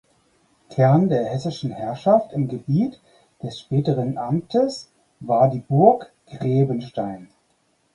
Kern der hessischen Herrschaft im Gebiet des späteren Amtes war die Burg Grebenstein.